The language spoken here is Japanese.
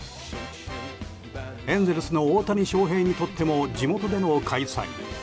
エンゼルスの大谷翔平にとっても地元での開催。